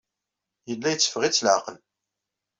Yella yetteffeɣ-itt leɛqel.